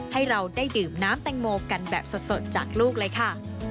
ให้เราได้ดื่มน้ำแตงโมกันแบบสดจากลูกเลยค่ะ